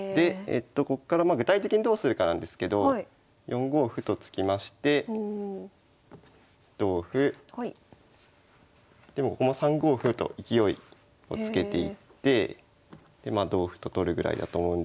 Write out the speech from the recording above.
こっから具体的にどうするかなんですけど４五歩と突きまして同歩でここも３五歩と勢いをつけていってでまあ同歩と取るぐらいだと思うんですけど。